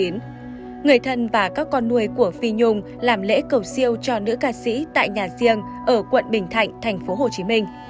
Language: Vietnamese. người thân và các con nuôi của phi nhung làm lễ cầu siêu cho nữ ca sĩ tại nhà riêng ở quận bình thạnh tp hcm